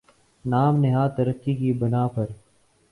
نام نہاد ترقی کی بنا پر